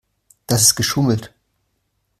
Das ist geschummelt.